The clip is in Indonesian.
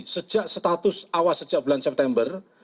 sejak status awal sejak bulan september